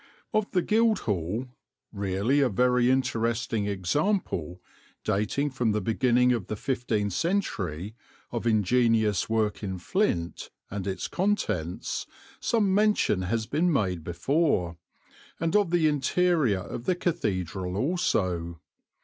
Of the Guildhall, really a very interesting example, dating from the beginning of the fifteenth century, of ingenious work in flint, and its contents, some mention has been made before, and of the interior of the cathedral also.